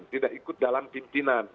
tidak ikut dalam pimpinan